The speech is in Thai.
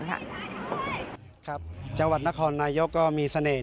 ครับจังหวัดนครนายกก็มีเสน่ห